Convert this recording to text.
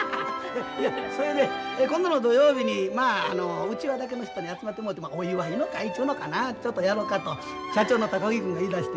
それで今度の土曜日にまああの内輪だけの人に集まってもうてお祝いの会ちゅうのかなちょっとやろうかと社長の高木君が言いだして。